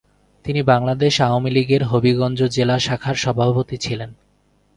তিনি বাংলাদেশ আওয়ামী লীগের হবিগঞ্জ জেলা শাখার সভাপতি ছিলেন।